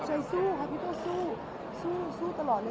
ใจสู้ค่ะพี่โต้สู้สู้ตลอดเลย